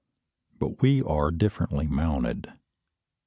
But we are differently mounted.